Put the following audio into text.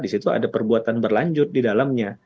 di situ ada perbuatan berlanjut di dalamnya